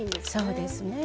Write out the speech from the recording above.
そうですね。